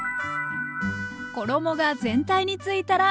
衣が全体についたらＯＫ！